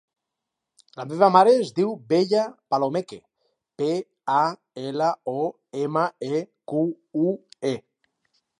La meva mare es diu Bella Palomeque: pe, a, ela, o, ema, e, cu, u, e.